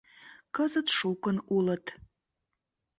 Кызыт шукын улыт.